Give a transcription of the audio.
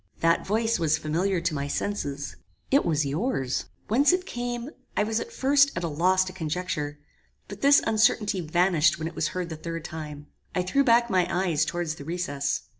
That voice was familiar to my senses. It was yours. "Whence it came, I was at first at a loss to conjecture; but this uncertainty vanished when it was heard the third time. I threw back my eyes towards the recess.